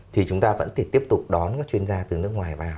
thì chúng ta vẫn thể tiếp tục đón các chuyên gia từ nước ngoài vào